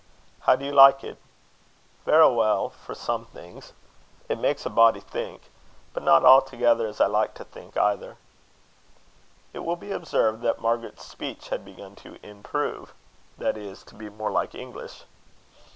"How do you like it?" "Verra weel for some things. It makes a body think; but not a'thegither as I like to think either." It will be observed that Margaret's speech had begun to improve, that is, to be more like English.